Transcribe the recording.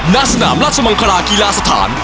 ณสนามราชมังคลากีฬาสถาน